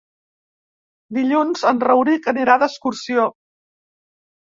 Dilluns en Rauric anirà d'excursió.